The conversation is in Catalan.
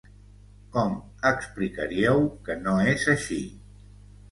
Com explicaríeu que no és així?